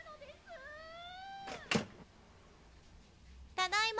ただいま。